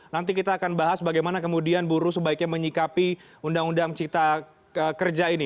nanti kita akan bahas bagaimana kemudian buruh sebaiknya menyikapi undang undang cipta kerja ini